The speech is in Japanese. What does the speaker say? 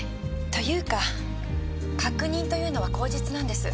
というか確認というのは口実なんです。